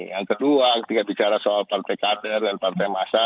yang kedua ketika bicara soal partai kader dan partai masa